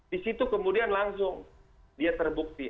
di situ kemudian langsung dia terbukti